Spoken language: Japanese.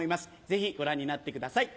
ぜひご覧になってください。